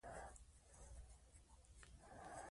هغه د ایران له ولسمشر غوښتنه وکړه ورته چلند وکړي.